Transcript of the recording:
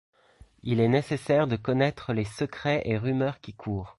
Il est nécessaire de connaitre les secrets et rumeurs qui courent.